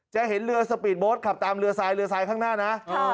จะเห็นเรือสปีดโบสต์ขับตามเรือทรายเรือทรายข้างหน้านะ